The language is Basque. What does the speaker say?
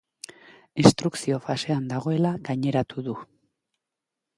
Instrukzio fasean dagoela gaineratu du.